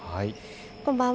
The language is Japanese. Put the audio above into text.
こんばんは。